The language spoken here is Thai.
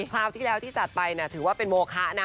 คราวที่แล้วที่จัดไปถือว่าเป็นโมคะนะ